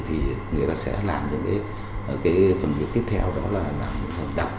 thì người ta sẽ làm những cái phần việc tiếp theo đó là làm những phần đọc